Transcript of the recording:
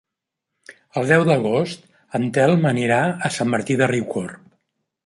El deu d'agost en Telm anirà a Sant Martí de Riucorb.